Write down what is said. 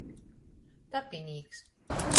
Tapinīks.